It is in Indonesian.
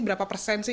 berapa persen sih